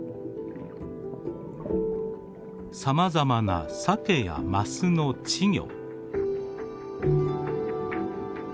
さまざまなサケやマスの稚魚。